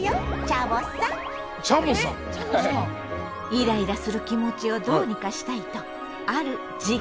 イライラする気持ちをどうにかしたいとある「実験」をしているそうよ。